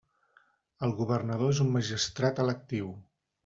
El governador és un magistrat electiu.